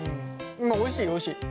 おいしいおいしい。